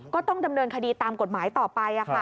ก็ต้องดำเนินคดีตามกฎหมายต่อไป